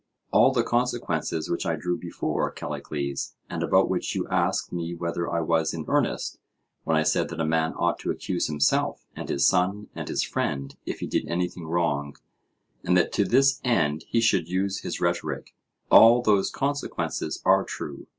All the consequences which I drew before, Callicles, and about which you asked me whether I was in earnest when I said that a man ought to accuse himself and his son and his friend if he did anything wrong, and that to this end he should use his rhetoric—all those consequences are true.